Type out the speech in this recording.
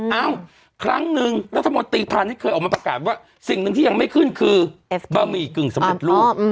เอ้าครั้งหนึ่งรัฐมนตรีพาณิชยเคยออกมาประกาศว่าสิ่งหนึ่งที่ยังไม่ขึ้นคือบะหมี่กึ่งสำเร็จรูป